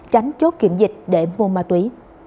tránh chốt kiểm dịch để mua ma túy